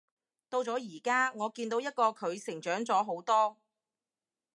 到咗而家，我見到一個佢成長咗好多